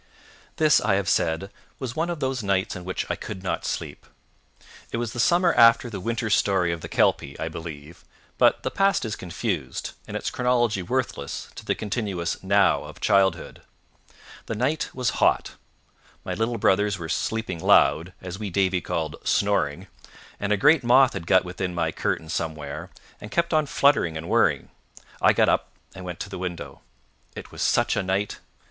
This, I have said, was one of those nights on which I could not sleep. It was the summer after the winter story of the kelpie, I believe; but the past is confused, and its chronology worthless, to the continuous now of childhood. The night was hot; my little brothers were sleeping loud, as wee Davie called snoring; and a great moth had got within my curtains somewhere, and kept on fluttering and whirring. I got up, and went to the window. It was such a night!